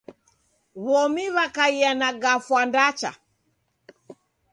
W'omi w'akaia na gafwa ndacha.